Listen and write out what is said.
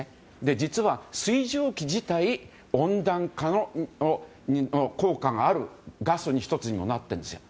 実は、水蒸気自体温暖化の効果があるガスの１つにもなっているんです。